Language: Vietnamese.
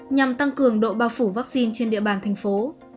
nhằm tăng cường độ bao phủ vaccine trên địa bàn thành phố